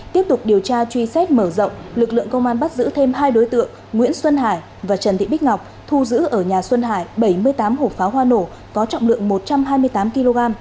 tiếp tục điều tra truy xét mở rộng lực lượng công an bắt giữ thêm hai đối tượng nguyễn xuân hải và trần thị bích ngọc thu giữ ở nhà xuân hải bảy mươi tám hộp pháo hoa nổ có trọng lượng một trăm hai mươi tám kg